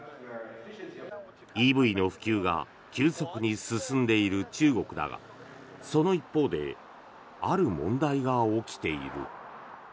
ＥＶの普及が急速に進んでいる中国だがその一方である問題が起きている。